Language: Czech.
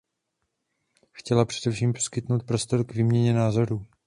Chtěla především poskytnout prostor k výměně názorů.